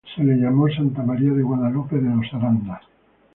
Se le llamó Santa María de Guadalupe de los Aranda.